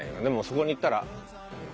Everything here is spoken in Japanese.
でもそこに行ったら。